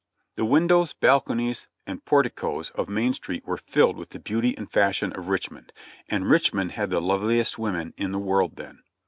The windows, balconies and porticoes of Main Street were filled with the beauty and fashion of Richmond, and Richmond had the loveliest women in the world then.